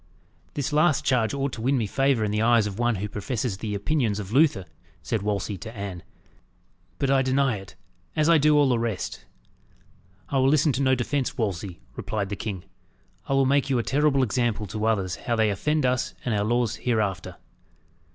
"This last charge ought to win me favour in the eyes of one who professes the Opinions of Luther," said Wolsey to Anne. "But I deny it, as I do all the rest." "I will listen to no defence, Wolsey," replied the king. "I will make you a terrible example to others how they offend us and our laws hereafter."